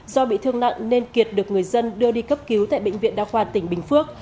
do bị thương nặng nên kiệt được người dân đưa đi cấp cứu tại bệnh viện đa khoa tỉnh bình phước